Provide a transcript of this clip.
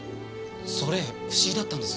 それ不思議だったんです。